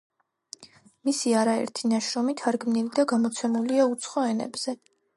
მისი არაერთი ნაშრომი თარგმნილი და გამოცემულია უცხო ენებზე.